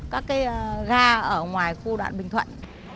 các cái ga ở ngoài khu đoàn bình thuận